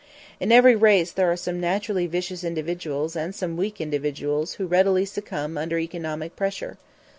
In every race there are some naturally vicious individuals and some weak individuals who readily succumb under economic pressure.